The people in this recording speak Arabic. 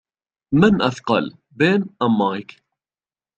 من أثقل بِن أم مايك ؟